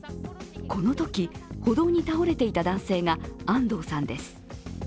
このとき、歩道に倒れていた男性が安藤さんです。